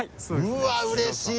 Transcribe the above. うわっうれしい！